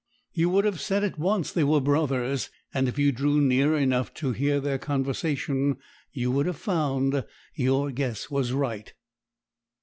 You would have said at once they were brothers; and if you drew near enough to hear their conversation, you would have found your guess was right.